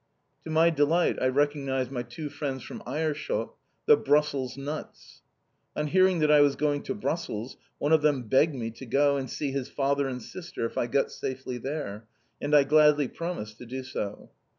To my delight I recognised my two friends from Aerschot, the "Brussels nuts." On hearing that I was going to Brussels one of them begged me to go and see his father and sister, if I got safely there. And I gladly promised to do so.